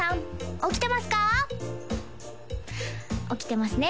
起きてますね